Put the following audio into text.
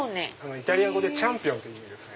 イタリア語でチャンピオンって意味ですね。